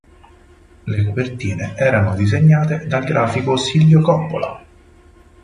Le copertine erano disegnate dal grafico Silvio Coppola.